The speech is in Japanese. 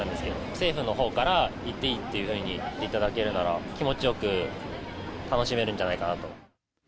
政府のほうから行っていいっていうふうに言っていただけるなら、気持ちよく楽しめるんじゃないかなと。